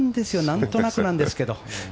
何となくなんですけど。